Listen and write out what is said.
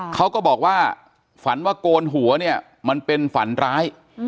เขาก็บอกว่าฝันว่าโกนหัวเนี่ยมันเป็นฝันร้าย